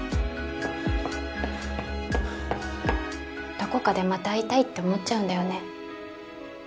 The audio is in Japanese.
どこかでまた会いたいって思っちゃうんだよね。